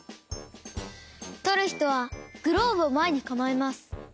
とるひとはグローブをまえにかまえます。